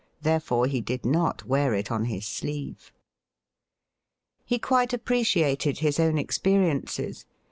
Therefore he did not wear it on his sleeve. He quite appreciated his own experiences.